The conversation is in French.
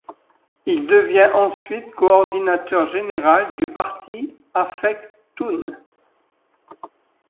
Il devient ensuite coordinateur général du parti Afek Tounes.